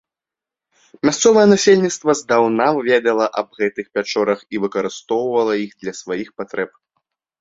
Мясцовае насельніцтва здаўна ведала аб гэтых пячорах і выкарыстоўвала іх для сваіх патрэб.